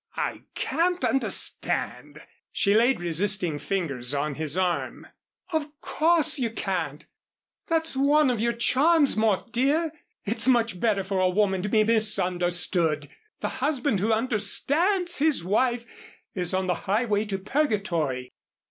"I can't understand " She laid resisting fingers on his arm. "Of course you can't. That's one of your charms, Mort, dear. It's much better for a woman to be misunderstood. The husband who 'understands' his wife is on the highway to purgatory.